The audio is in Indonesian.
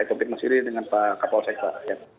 saya akan berbicara di sini dengan pak kapolsek pak